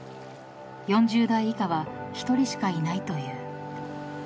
［４０代以下は１人しかいないという］